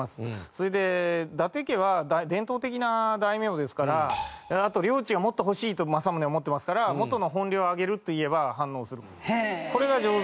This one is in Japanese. それで伊達家は伝統的な大名ですからあと領地がもっと欲しいと政宗は思ってますから「元の本領をあげる」と言えば反応する。